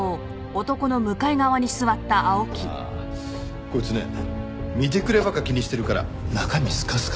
ああこいつね見てくればっか気にしてるから中身スカスカ。